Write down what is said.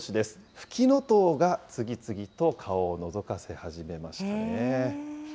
フキノトウが次々と顔をのぞかせ始めましたね。